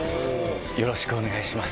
よろしくお願いします。